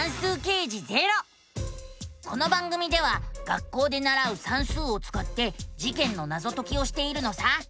この番組では学校でならう「算数」をつかって事件のナゾ解きをしているのさ。